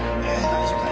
大丈夫だ。